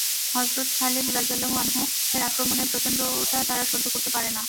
হযরত Khalid রাযিয়াল্লাহু আনহু-এর আক্রমণের প্রচণ্ডতা তারা সহ্য করতে পারে না।